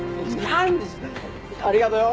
何でありがとよ！